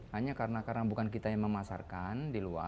hanya karena bukan kita yang memasarkan